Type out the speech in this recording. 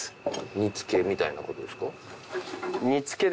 煮付けみたいなことですか？